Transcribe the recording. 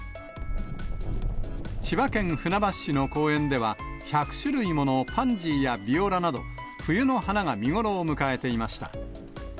千葉県船橋市の公園では、１００種類ものパンジーやビオラなど、冬の花が見頃を迎えていました。